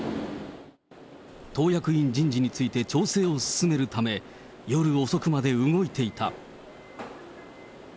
党役員人事について調整を進めるため、夜遅くまで動いていた。